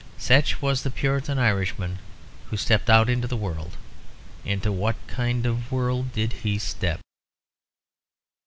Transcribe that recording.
Such was the Puritan Irishman who stepped out into the world. Into what kind of world did he step?